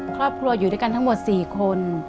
ครอบครัวอยู่ด้วยกันทั้งหมด๔คน